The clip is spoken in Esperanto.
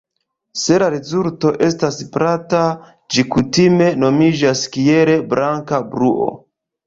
Se la rezulto estas plata, ĝi kutime nomiĝas kiel "blanka bruo".